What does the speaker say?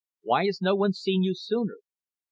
WHY HAS NO ONE SEEN YOU SOONER A.